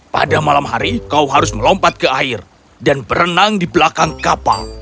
pada malam hari kau harus melompat ke air dan berenang di belakang kapal